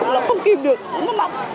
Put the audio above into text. nó không kìm được nó mọc